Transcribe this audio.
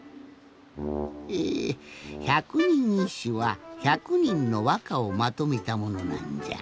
ええひゃくにんいっしゅはひゃくにんのわかをまとめたものなんじゃ。